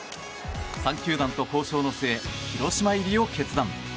３球団と交渉の末広島入りを決断。